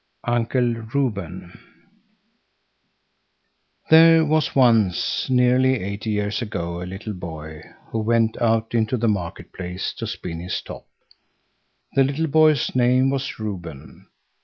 UNCLE REUBEN There was once, nearly eighty years ago, a little boy who went out into the market place to spin his top. The little boy's name was Reuben.